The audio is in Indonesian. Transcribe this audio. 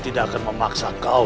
bisa gagal semua rejaku